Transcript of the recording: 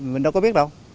mình đâu có biết đâu